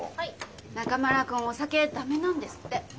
中村くんお酒ダメなんですって。